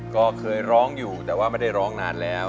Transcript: ก็เคยร้องอยู่แต่ว่าไม่ได้ร้องนานแล้ว